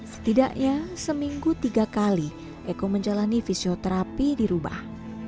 setidaknya seminggu tiga kali eko menjalani fisioterapi di rubah